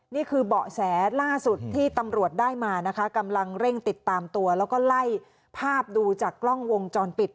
เบาะแสล่าสุดที่ตำรวจได้มานะคะกำลังเร่งติดตามตัวแล้วก็ไล่ภาพดูจากกล้องวงจรปิด